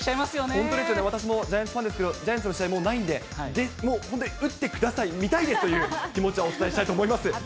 本当ですよね、私もジャイアンツファンですけれども、ジャイアンツの試合もうないんで、本当に打ってください、見たいですという気持ちはお伝えしたいと思います。